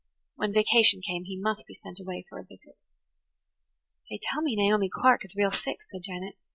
When vacation came he must be sent away for a visit. "They tell me Naomi Clark is real sick," said Janet.